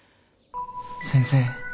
先生